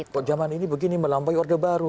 kok zaman ini begini melampaui orde baru